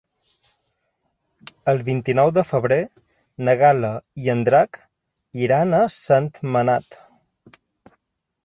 El vint-i-nou de febrer na Gal·la i en Drac iran a Sentmenat.